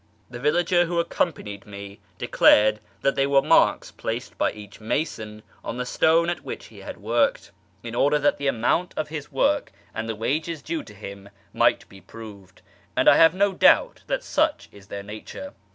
The villager who accompanied me declared that they were marks placed by each mason on the stone at which he had worked, in order that the amount of his work and the wages due to him might be proved ; and I have no doubt that such is their nature.